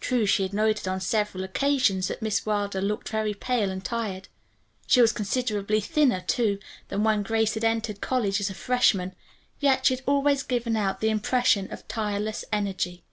True she had noted on several occasions that Miss Wilder looked very pale and tired. She was considerably thinner, too, than when Grace had entered college as a freshman, yet she had always given out the impression of tireless energy.